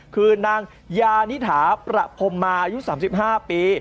คือนางยานิถาประพรมมาอายุ๓๕ปี